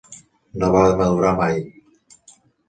No va madurar mai.